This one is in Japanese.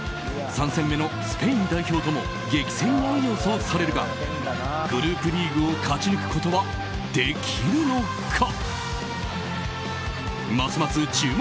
３戦目のスペイン代表とも激戦が予想されるがグループリーグを勝ち抜くことはできるのか？